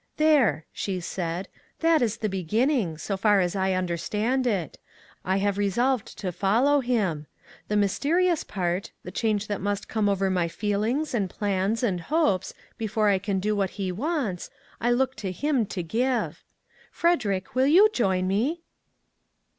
" There," she said, " that is the beginning, so far as I understand it. I have resolved to follow him. The mysterious part the change that must come over my feelings, and plans, and hopes, before I can do what he wants I 288 "WHAT MADE YOU CHANGE?" look to him to give. Frederick will you join me?"